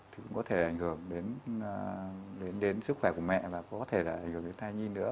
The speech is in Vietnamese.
thì cũng có thể ảnh hưởng đến sức khỏe của mẹ và có thể là ảnh hưởng đến thai nhi nữa